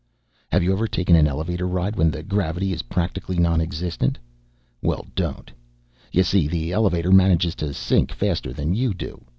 Have you ever taken an elevator ride when the gravity is practically non existent? Well, don't. You see, the elevator manages to sink faster than you do.